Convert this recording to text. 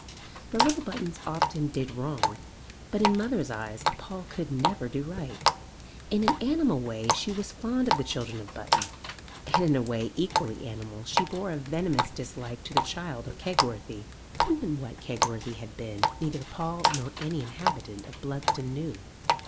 The little Buttons often did wrong; but in the mother's eyes Paul could never do right. In an animal way she was fond of the children of Button, and in a way equally animal she bore a venomous dislike to the child of Kegworthy. Who and what Kegworthy had been neither Paul nor any inhabitant of Bludston knew.